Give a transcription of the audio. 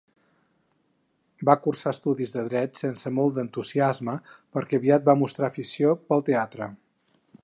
Va cursar estudis de Dret sense molt d'entusiasme, perquè aviat va mostrar afició pel teatre.